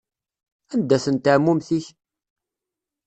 Anda-tent ɛmumet-ik?